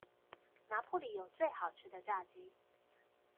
拿坡里有最好吃的炸雞